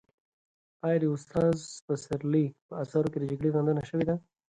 آیا د استاد پسرلي په اثارو کې د جګړې غندنه شوې ده؟